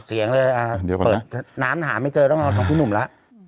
เสียงเลยอ่าเดี๋ยวก่อนนะเปิดน้ำหาไม่เจอต้องเอาของพี่หนุ่มละ